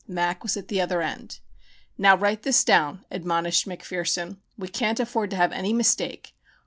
"Mac" was at the other end. "Now write this down," admonished McPherson; "we can't afford to have any mistake.